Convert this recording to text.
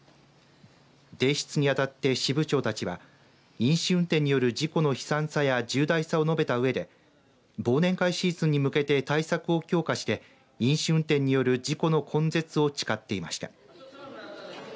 提出にあたって、支部長たちは飲酒運転による事故の悲惨さや重大さを述べたうえで忘年会シーズンに向けて対策を強化して飲酒運転による事故の根絶を誓っていました。